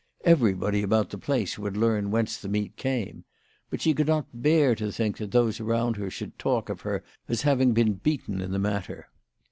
Everybody about the place would learn whence the meat came. But she could not bear to think that those around her should talk of her as having been beaten in the matter.